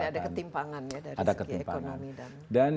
jadi ada ketimpangan ya dari segi ekonomi dan